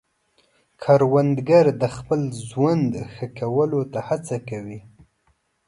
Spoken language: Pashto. کروندګر د خپل ژوند ښه کولو ته هڅه کوي